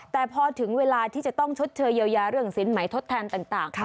แต่พอถึงเวลาที่จะต้องชดเชยเยียวยาเรื่องสินใหม่ทดแทนต่าง